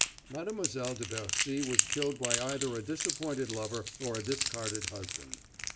"Mademoiselle de Bercy was killed by either a disappointed lover or a discarded husband.